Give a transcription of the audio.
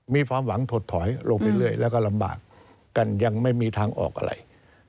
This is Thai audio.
มีความหวังถดถอยลงไปเรื่อยแล้วก็ลำบากกันยังไม่มีทางออกอะไร